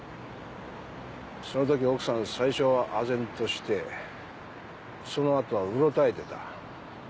その時奥さん最初は唖然としてその後はうろたえてた。